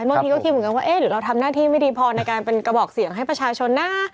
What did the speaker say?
บางทีก็คิดเหมือนกันว่าเอ๊ะหรือเราทำหน้าที่ไม่ดีพอในการเป็นกระบอกเสียงให้ประชาชนนะ